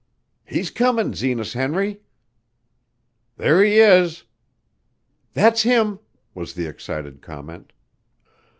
"He's comin', Zenas Henry!" "There he is!" "That's him!" was the excited comment.